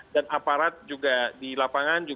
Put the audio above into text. aparat juga di lapangan